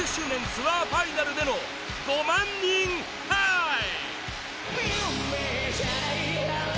ツアーファイナルでの５万人「ハイ！」